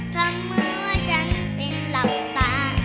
ทำเหมือนว่าฉันเป็นเหลากแต่